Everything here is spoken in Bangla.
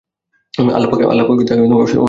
আল্লাহ্ পাক তাকে অসাধারণ মেধা দান করেছিলেন।